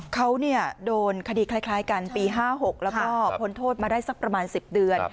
เขาโดนคดีคล้ายกันปี๕๖แล้วก็พ้นโทษมาได้สักประมาณ๑๐เดือน